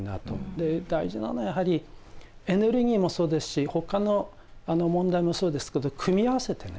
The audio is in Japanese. で大事なのはやはりエネルギーもそうですしほかの問題もそうですけど組み合わせてね